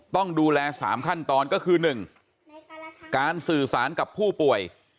ต้องดูแล๓ขั้นตอนก็คือ๑การสื่อสารกับผู้ป่วย